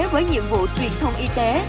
với nhiệm vụ truyền thông y tế